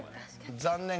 残念。